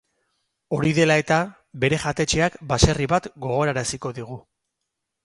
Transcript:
Hori dela eta, bere jatetxeak baserri bat gogoraraziko digu.